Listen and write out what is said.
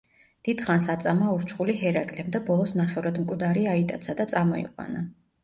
დიდხანს აწამა ურჩხული ჰერაკლემ და ბოლოს ნახევრად მკვდარი აიტაცა და წამოიყვანა.